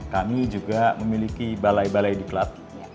kami juga memiliki balai balai di klub pendidikan